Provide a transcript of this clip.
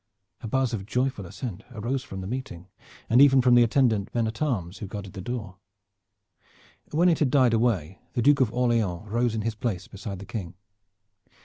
A buzz of joyful assent arose from the meeting, and even from the attendant men at arms who guarded the door. When it had died away the Duke of Orleans rose in his place beside the King.